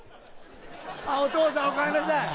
お父さんおかえりなさい。